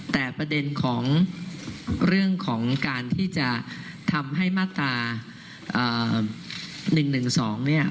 แต่ประเด็นของเรื่องของการที่จะทำให้มาตรา๑๑๒เนี่ย